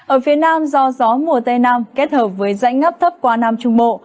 ở phía nam do gió mùa tây nam kết hợp với rãnh áp thấp qua nam trung bộ